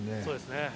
そうですね。